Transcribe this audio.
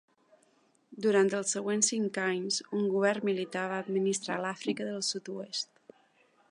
Durant els següents cinc anys, un govern militar va administrar l'Àfrica del Sud-oest.